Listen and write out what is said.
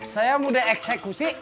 saya muda eksekusi